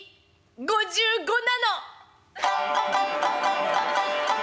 ５５なの！」。